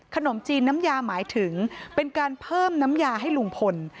ขนมจีนน้ำยาหมายถึงเป็นการเพิ่มน้ำยาให้ลุงพล